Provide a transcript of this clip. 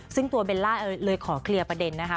ซึ่งตัวเบลล่าเลยขอเคลียร์ประเด็นนะคะ